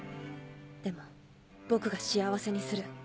でも僕が幸せにする。